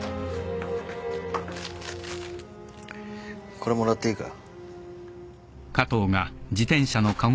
これもらっていいか？